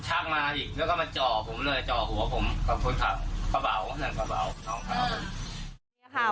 จ่อหัวผมกับคนขับกระเป๋าหนังกระเป๋าน้องข้าว